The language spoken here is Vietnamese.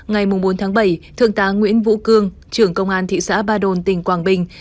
ngày bốn tháng bảy thượng tá nguyễn vũ cương trưởng công an thị xã ba đồn tỉnh quảng bình